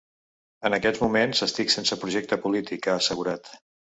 En aquests moments, estic sense projecte polític, ha assegurat.